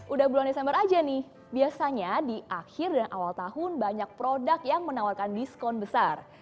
udah bulan desember aja nih biasanya di akhir dan awal tahun banyak produk yang menawarkan diskon besar